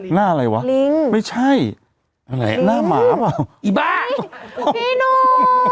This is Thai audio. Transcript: หน้าอะไรวะลิงไม่ใช่อะไรหน้าหมาเหรออีบ้าพี่นุง